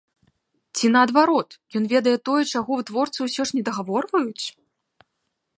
Ці наадварот, ён ведае тое, чаго вытворцы ўсё ж недагаворваюць?